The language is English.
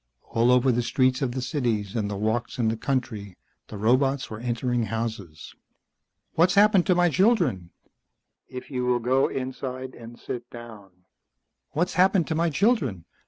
All over the streets of the cities and the walks in the country the robots were entering houses. "What's happened to my children?" "If you will go inside and sit down " "What's happened to my children?